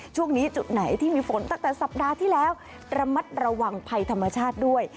ช่วงนี้จุดไหนที่มีฝนตั้งแต่สัปดาห์ที่แล้วระมัดระวังภัยธรรมชาติด้วย